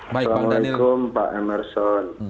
waalaikumsalam pak emerson